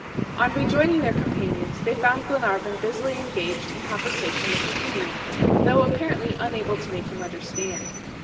On rejoining their companions, they found Glenarvan busily engaged in conversation with the Indian, though apparently unable to make him understand.